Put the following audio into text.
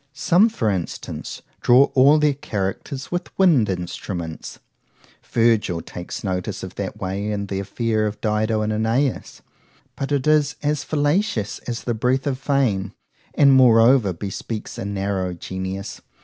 Some, for instance, draw all their characters with wind instruments.—Virgil takes notice of that way in the affair of Dido and Æneas;—but it is as fallacious as the breath of fame;—and, moreover, bespeaks a narrow genius.